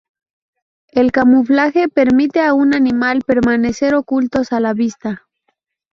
El camuflaje permite a un animal permanecer ocultos a la vista.